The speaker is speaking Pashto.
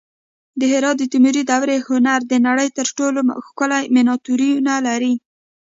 د هرات د تیموري دورې هنر د نړۍ تر ټولو ښکلي مینیاتورونه لري